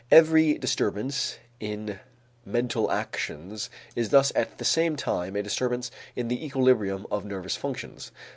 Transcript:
Every disturbance in mental actions is thus at the same time a disturbance in the equilibrium of nervous functions.